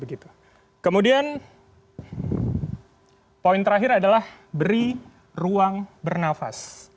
kemudian poin terakhir adalah beri ruang bernafas